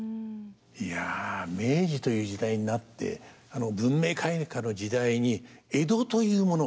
いや明治という時代になってあの文明開化の時代に江戸というもの